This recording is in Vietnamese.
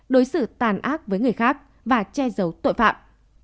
đối xử tàn ác với người khác và che giấu tội phạm